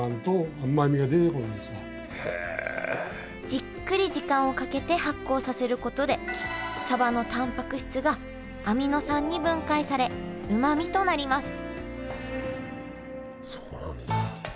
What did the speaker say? じっくり時間をかけて発酵させることでサバのたんぱく質がアミノ酸に分解されうまみとなります